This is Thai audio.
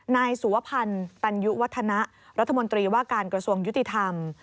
นายสุวพันธ์ตัญญุวัฒนะรัฐมนตรีว่าการกระทรวงยุติธรรม